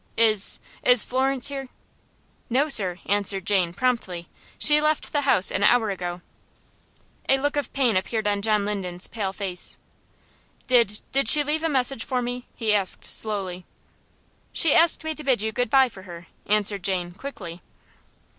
"Is is Florence here?" "No, sir," answered Jane, promptly. "She left the house an hour ago." A look of pain appeared on John Linden's pale face. "Did did she leave a message for me?" he asked, slowly. "She asked me to bid you good by for her," answered Jane, quickly.